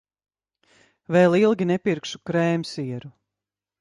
Vēl ilgi nepirkšu krēmsieru.